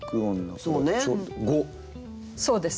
そうです。